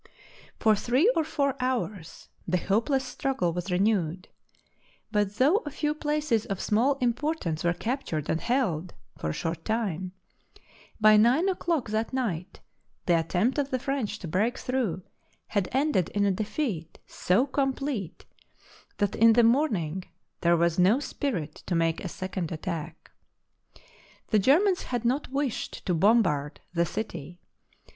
For three or four hours the hopeless struggle was renewed; but though a few places of small impor tance were captured and held for a short time, by nine o'clock that night the attempt of the French to break through had ended in a defeat so complete that in the morning there was no spirit to make a second attack. The Germans had not wished to bombard the THE BOOK OF FAMOUS SIEGES city.